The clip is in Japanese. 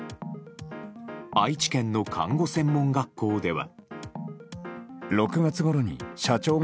愛知県の看護専門学校では。